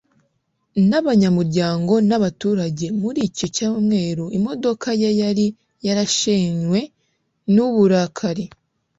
n'abanyamuryango n'abaturage. muri icyo cyumweru imodoka ye yari yarashenywe n'uburakari